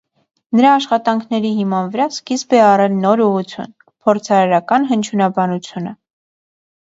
Նրա աշխատանքների հիման վրա սկիզբ է առել նոր ուղղություն՝ փորձարարական հնչյունաբանությունը։